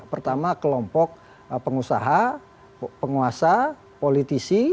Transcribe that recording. pertama kelompok pengusaha penguasa politisi